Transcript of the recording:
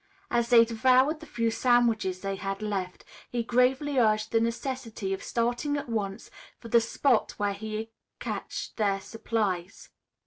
As they devoured the few sandwiches they had left, he gravely urged the necessity of starting at once for the spot where he had cachéd their supplies.